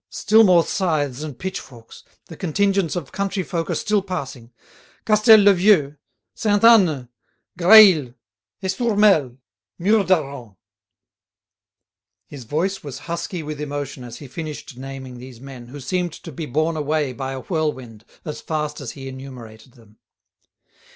Still more scythes and pitchforks, the contingents of country folk are still passing. Castel le Vieux! Sainte Anne! Graille! Estourmel! Murdaran!" His voice was husky with emotion as he finished naming these men, who seemed to be borne away by a whirlwind as fast as he enumerated them.